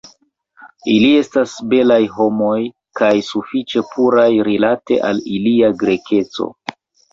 Ili estas belaj homoj, kaj sufiĉe puraj rilate al ilia Grekeco.